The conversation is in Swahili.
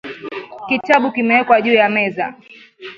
Kitabu kimewekwa juu ya meza.